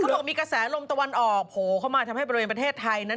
เขาบอกว่ามีกระแสลมตะวันออกโหเข้ามาทำให้ประเทศไทยนั้น